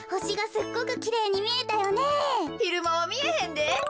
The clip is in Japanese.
ひるまはみえへんで。